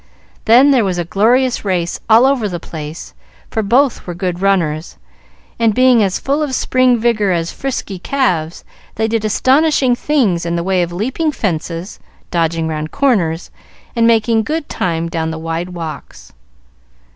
Then there was a glorious race all over the place; for both were good runners, and, being as full of spring vigor as frisky calves, they did astonishing things in the way of leaping fences, dodging round corners, and making good time down the wide walks.